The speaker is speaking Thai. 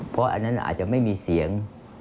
เพราะอันนั้นอาจจะไม่มีเสียง